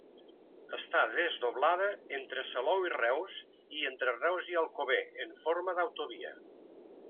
Està desdoblada entre Salou i Reus i entre Reus i Alcover, en forma d'autovia.